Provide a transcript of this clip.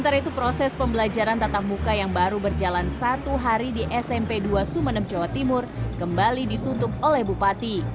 sementara itu proses pembelajaran tatap muka yang baru berjalan satu hari di smp dua sumeneb jawa timur kembali ditutup oleh bupati